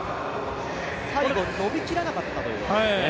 最後伸びきらなかったということですね。